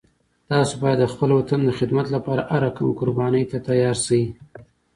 تاسو باید د خپل وطن د خدمت لپاره هر رقم قربانی ته تیار شئ